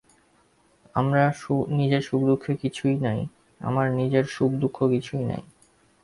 আমার নিজের সুখদুঃখ কিছুই নাই?